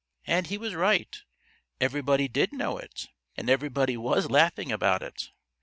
And he was right; everybody did know it, and everybody was laughing about it.